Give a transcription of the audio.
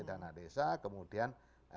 dana desa kemudian